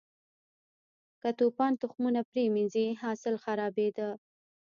که توپان تخمونه پرې منځي، حاصل خرابېده.